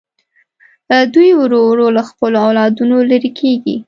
دوی ورو ورو له خپلو اولادونو لرې کېږي.